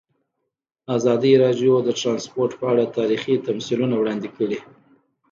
ازادي راډیو د ترانسپورټ په اړه تاریخي تمثیلونه وړاندې کړي.